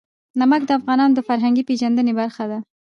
نمک د افغانانو د فرهنګي پیژندنې برخه ده.